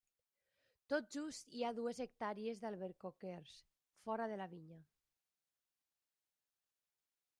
Tot just hi ha dues hectàrees d'albercoquers, fora de la vinya.